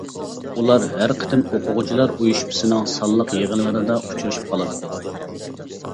ئۇلار ھەر قېتىم ئوقۇغۇچىلار ئۇيۇشمىسىنىڭ سانلىق يېغىنلىرىدا ئۇچرىشىپ قالاتتى.